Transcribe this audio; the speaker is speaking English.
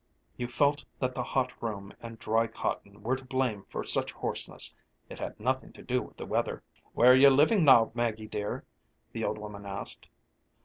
You felt that the hot room and dry cotton were to blame for such hoarseness; it had nothing to do with the weather. "Where are you living now, Maggie, dear?" the old woman asked.